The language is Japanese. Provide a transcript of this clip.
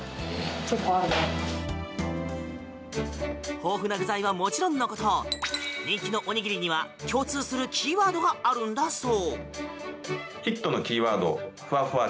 豊富な具材はもちろんのこと人気のおにぎりには共通するキーワードがあるんだそう。